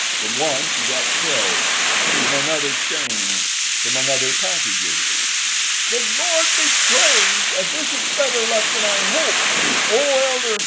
From one she got pills, from another change, from another packages. "The Lord be praised, and this is better luck than I hoped! Oh, elder!